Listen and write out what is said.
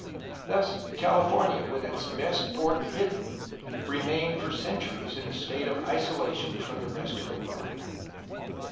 Thus California, with its best port hidden, remained for centuries in a state of isolation from the rest of the world.